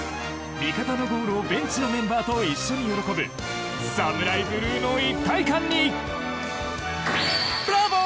味方のゴールをベンチのメンバーと一緒に喜ぶＳＡＭＵＲＡＩＢＬＵＥの一体感にブラボー！